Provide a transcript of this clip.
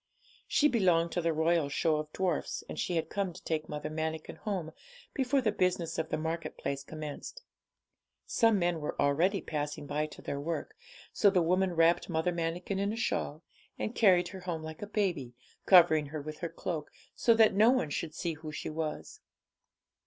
She belonged to the Royal Show of Dwarfs, and she had come to take Mother Manikin home before the business of the market place commenced. Some men were already passing by to their work; so the woman wrapped Mother Manikin in a shawl, and carried her home like a baby, covering her with her cloak, so that no one should see who she was.